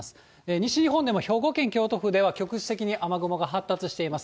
西日本でも兵庫県、京都府では局地的に雨雲が発達しています。